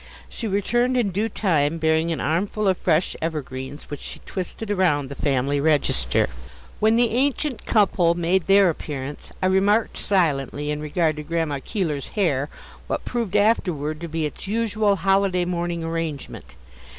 She returned in due time, bearing an armful of fresh evergreens, which she twisted around the family register. When the ancient couple made their appearance, I remarked silently, in regard to Grandma Keeler's hair, what proved afterward to be its usual holiday morning arrangement.